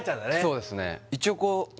そうですね